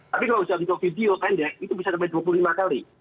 tapi kalau di dalam bentuk video pendek itu bisa sampai dua puluh lima kali